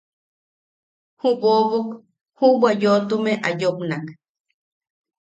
Ju bobok juʼubwa yoʼotume a yopnak: